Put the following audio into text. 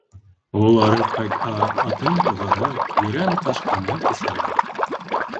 Ул арып ҡайтһа, атын туғарып, Ерән-ҡашҡаны эсерәм.